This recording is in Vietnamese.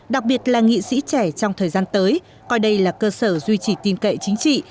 đặc biệt là nghị sĩ trẻ trong thời gian tới coi đây là cơ sở duy trì tin cậy chính trị